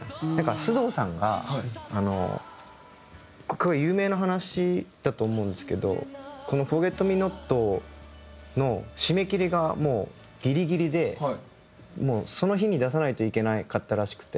須藤さんがこれ有名な話だと思うんですけどこの『Ｆｏｒｇｅｔ−ｍｅ−ｎｏｔ』の締め切りがもうギリギリでもうその日に出さないといけなかったらしくて。